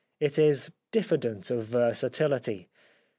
It is diffident of versatility.